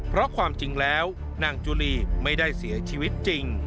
เพราะความจริงแล้วนางจุลีไม่ได้เสียชีวิตจริง